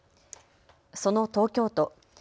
その東京都。